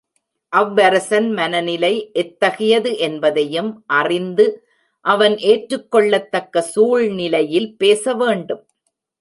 அவ் வரசன் மனநிலை எத்தகையது என்பதையும் அறிந்து அவன் ஏற்றுக்கொள்ளத்தக்க சூழ்நிலையில் பேச வேண்டும்.